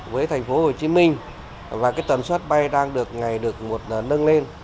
với thành phố hồ chí minh và tuần suất bay đang được ngày được nâng lên